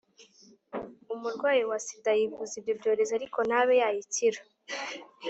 umurwayi wa sida yivuza ibyo byorezo ariko ntabe yayikira